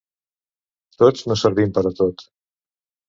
Tots no servim per a tot.